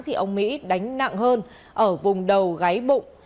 thì ông mỹ đánh nặng hơn ở vùng đầu gáy bụng